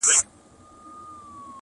o بزې مېږي ته ويل کونه دي ښکاره سوه٫